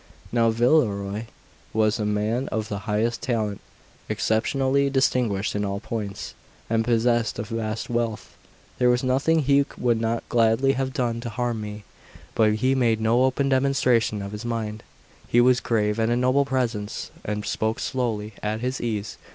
Now Villerois was a man of the highest talent, exceptionally distinguished in all points, and possessed of vast wealth. There was nothing he would not gladly have done to harm me, but he made no open demonstration of his mind. He was grave, and of a noble presence, and spoke slowly, at his ease.